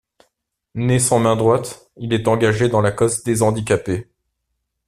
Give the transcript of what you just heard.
Né sans main droite, il est engagé dans la cause des handicapés.